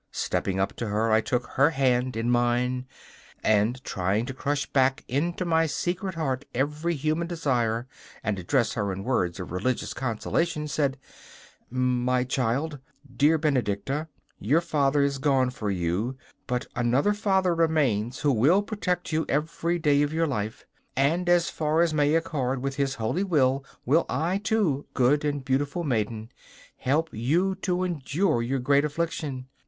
Stepping up to her, I took her hand in mine, and, trying to crush back into my secret heart every human desire, and address her in words of religious consolation, said: 'My child dear Benedicta your father is gone from you, but another Father remains who will protect you every day of your life. And as far as may accord with His holy will I, too, good and beautiful maiden, help you to endure your great affliction.